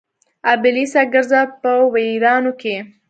ابلیسه ګرځه په ویرانو کې